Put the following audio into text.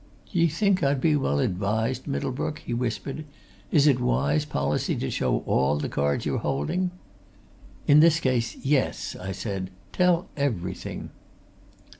"D'ye think I'd be well advised, Middlebrook?" he whispered. "Is it wise policy to show all the cards you're holding?" "In this case, yes!" I said. "Tell everything!"